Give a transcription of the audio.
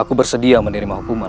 aku bersedia menerima hukuman